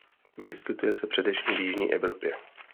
Vyskytuje se především v jižní Evropě.